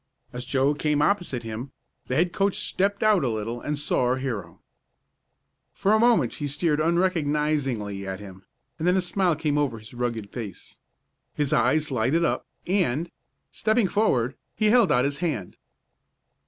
As Joe came opposite him the head coach stepped out a little and saw our hero. For a moment he stared unrecognizingly at him, and then a smile came over his rugged face. His eyes lighted up, and, stepping forward, he held out his hand.